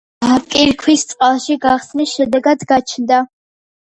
მღვიმეები კირქვის წყალში გახსნის შედეგად გაჩნდა.